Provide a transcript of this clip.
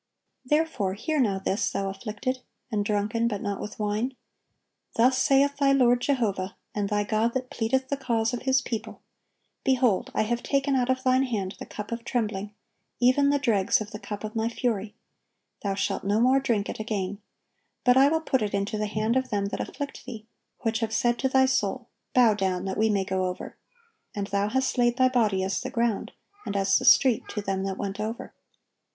(1086) "Therefore hear now this, thou afflicted, and drunken, but not with wine: Thus saith thy Lord Jehovah, and thy God that pleadeth the cause of His people, Behold, I have taken out of thine hand the cup of trembling, even the dregs of the cup of My fury; thou shalt no more drink it again: but I will put it into the hand of them that afflict thee; which have said to thy soul, Bow down, that we may go over: and thou hast laid thy body as the ground, and as the street, to them that went over."